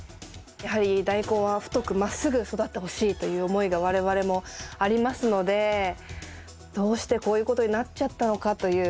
やはりダイコンは太くまっすぐ育ってほしいという思いが我々もありますのでどうしてこういうことになっちゃったのかという。